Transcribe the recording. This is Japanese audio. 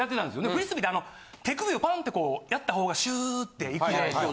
フリスビーってあの手首をパンってこうやった方がシューっていくじゃないですか。